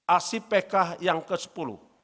aksi pk yang ketujuh